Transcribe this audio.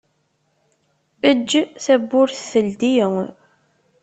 Eǧǧ tawwurt teldi.